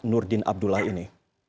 nurdin abdullah ini